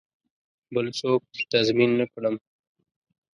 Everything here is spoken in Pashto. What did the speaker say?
بل څوک تضمین نه کړم.